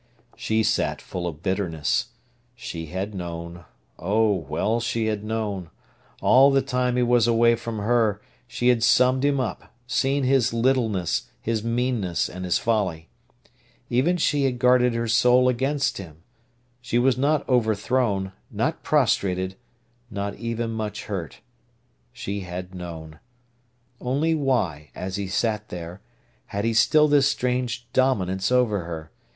She sat full of bitterness. She had known—oh, well she had known! All the time he was away from her she had summed him up, seen his littleness, his meanness, and his folly. Even she had guarded her soul against him. She was not overthrown, not prostrated, not even much hurt. She had known. Only why, as he sat there, had he still this strange dominance over her?